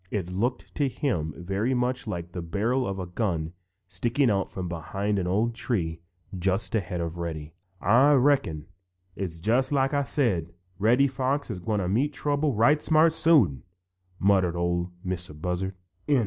It looked to him very much like the barrel of a gun sticking out from behind an old tree just ahead of Reddy. "Ah reckon it's just like Ah said: Reddy Fox is gwine to meet trouble right smart soon," muttered Ol' Mistah Buzzard. VI.